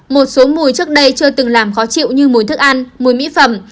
một số mùi trước đây chưa từng làm khó chịu như mùi thức ăn mùi mỹ phẩm